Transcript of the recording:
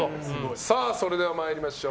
それでは参りましょう。